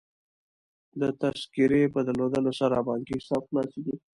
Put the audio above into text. د تذکرې په درلودلو سره بانکي حساب خلاصیږي.